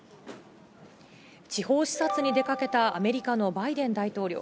地方視察に出かけたアメリカのバイデン大統領。